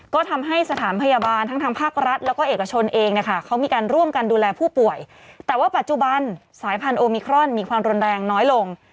ก็ทำให้สถานพยาบาลทั้งทางภาครัฐแล้วก็เอกชนเองนะคะเขามีการร่วมกันดูแลผู้ป่วยแต่ว่าปัจจุบันสายพันธุมิครอนมีความรุนแรงน้อยลง